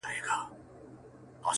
• چي مغلوبه سي تیاره رڼا ځلېږي..